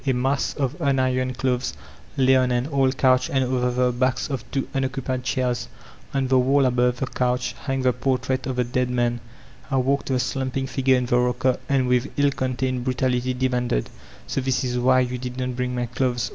A mass of unironed clothes lay on an old coudi and over the backs of two unoccupied chairs. On the wall above the conch, hung the portrait of the dead man. I walked to the slumping figure in the rodcer, and witfi ill contained brutality demanded: ''So diis is why yoa did not bring my clothes